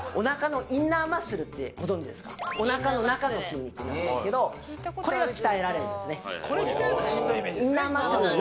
おなかのおなかの中の筋肉なんですけどこれが鍛えられるんですね